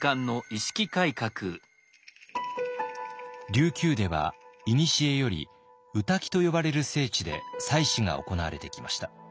琉球ではいにしえより御嶽と呼ばれる聖地で祭祀が行われてきました。